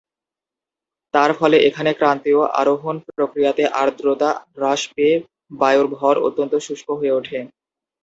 তার ফলে এখানে ক্রান্তীয় আরোহণ প্রক্রিয়াতে আর্দ্রতা হ্রাস পেয়ে বায়ুর ভর অত্যন্ত শুষ্ক হয়ে ওঠে।